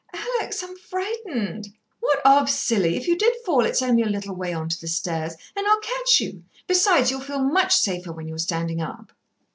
"Alex, I'm frightened." "What of, silly? If you did fall it's only a little way on to the stairs, and I'll catch you. Besides, you'll feel much safer when you're standing up."